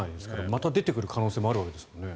また出てくる可能性もあるわけですよね。